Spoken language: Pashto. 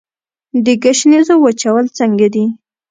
د ګشنیزو وچول څنګه دي؟